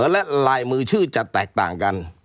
และลายมือชื่อจะแตกต่างกัน